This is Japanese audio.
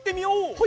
はい。